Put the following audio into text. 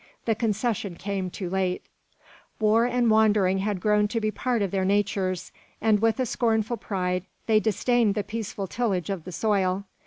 The concession came too late. War and wandering had grown to be part of their natures; and with a scornful pride they disdained the peaceful tillage of the soil.